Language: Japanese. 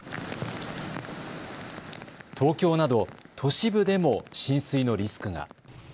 東京など都市部でも浸水のリスクが。